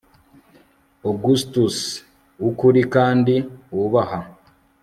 Augustus wukuri kandi wubaha